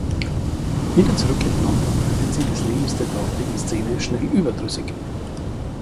Wieder zurück in London, wird sie des Lebens der dortigen Szene schnell überdrüssig.